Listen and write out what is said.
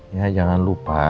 ya jangan lupa